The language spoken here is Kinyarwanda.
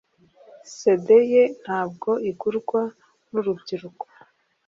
cd ye ntabwo igurwa nurubyiruko